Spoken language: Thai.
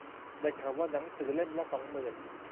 ได้ข่าวว่าหนังสือเล่มละสองหมื่น